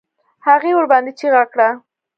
هغې ورباندې چيغه کړه.